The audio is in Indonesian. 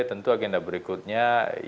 tentu agenda berikutnya